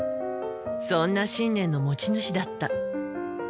そんな信念の持ち主だった。